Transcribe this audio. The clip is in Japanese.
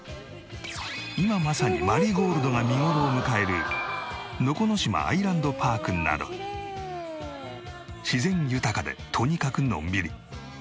今まさにマリーゴールドが見頃を迎えるのこのしまアイランドパークなど自然豊かでとにかくのんびり。